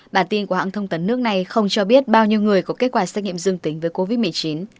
bản tin của hãng thông tấn nước này không cho biết bao nhiêu người có kết quả xét nghiệm dương tính với covid một mươi chín